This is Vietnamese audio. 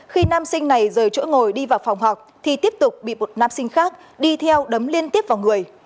khi nam sinh này rời chỗ ngồi đi vào phòng học thì tiếp tục bị một nam sinh khác đi theo đấm liên tiếp vào người